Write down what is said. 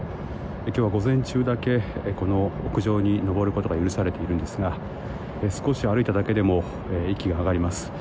今日は午前中だけこの屋上に上ることが許されているんですが少し歩いただけでも息が上がります。